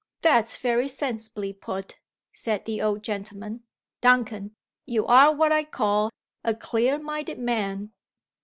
"That's very sensibly put," said the old gentleman. "Duncan! you are, what I call, a clear minded man.